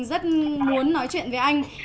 rất muốn nói chuyện với anh